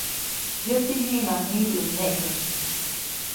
‒Yäti jiʼnam wyĩduʼi mneʼkä-.